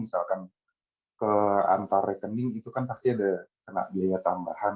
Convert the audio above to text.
misalkan ke antar rekening itu kan pasti ada kena biaya tambahan